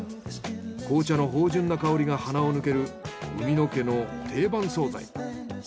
紅茶の芳醇な香りが鼻を抜ける海野家の定番惣菜。